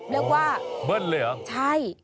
เรียกว่าเบิ้ลเลยเหรอใช่